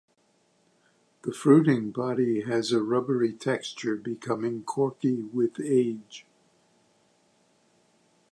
The fruiting body has a rubbery texture, becoming corky with age.